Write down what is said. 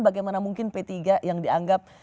bagaimana mungkin p tiga yang dianggap